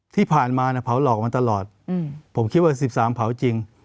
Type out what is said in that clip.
ที่ผ่านมาเผาหลอกมาตลอดผมคิดว่า๑๓เผาจริง